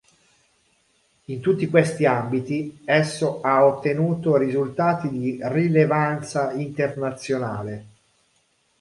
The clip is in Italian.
In tutti questi ambiti, esso ha ottenuto risultati di rilevanza internazionale.